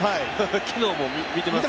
昨日も見てます。